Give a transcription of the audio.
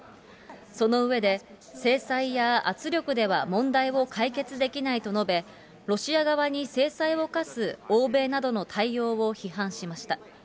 その上で、制裁や圧力では問題を解決できないと述べ、ロシア側に制裁を科す欧米などの対応を批判しました。